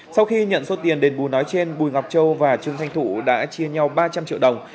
sau khi nhận số tiền đền bù nói trên bùi ngọc châu và trương thanh thụ đã chia nhau ba trăm linh triệu đồng